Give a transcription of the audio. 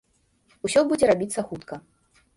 Усё будзе рабіцца хутка.